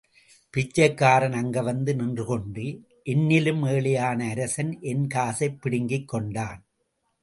பிச்சைக்காரன் அங்கு வந்து நின்று கொண்டு, என்னிலும் ஏழையான அரசன் என் காசைப் பிடுங்கிக் கொண்டான்.